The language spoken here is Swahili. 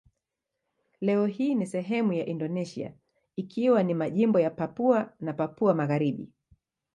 Leo hii ni sehemu ya Indonesia ikiwa ni majimbo ya Papua na Papua Magharibi.